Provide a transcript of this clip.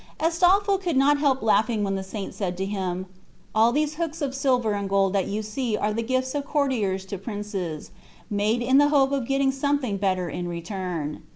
Astolpho could not help laughing when the saint said to him, "All these hooks of silver and gold that you see are the gifts of courtiers to princes, made in the hope of getting something better in return."